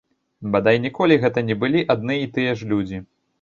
Бадай ніколі гэта не былі адны і тыя ж людзі.